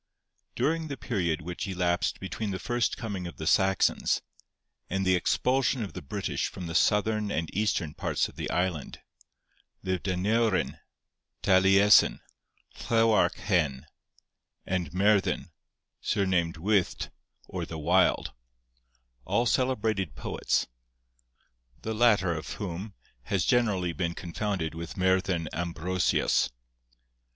During the period which elapsed between the first coming of the Saxons, and the expulsion of the British from the Southern and Eastern parts of the island, lived Aneurin, Taliesin, Llewarch Hen, and Merddin, surnamed Wyllt or the Wild, all celebrated poets, the latter of whom has generally been confounded with Merddin Ambrosius.